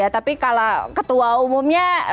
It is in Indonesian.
tapi kalau ketua umumnya